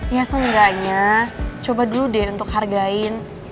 ya seenggaknya coba dulu deh untuk hargain